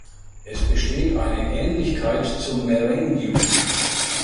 Es besteht eine Ähnlichkeit zum Merengue.